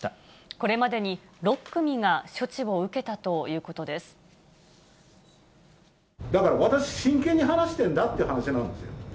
これまでに６組が処置を受けだから私、真剣に話しているんだっていう話なんですよ。